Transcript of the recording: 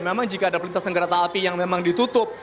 memang jika ada perlintasan kereta api yang memang ditutup